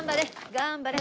頑張れ！